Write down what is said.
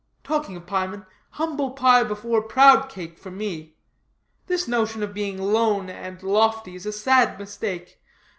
Talking of piemen, humble pie before proud cake for me. This notion of being lone and lofty is a sad mistake.